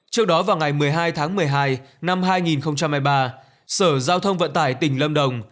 trước đó vào ngày một mươi hai tháng một mươi hai năm hai nghìn hai mươi ba sở giao thông vận tải tỉnh lâm đồng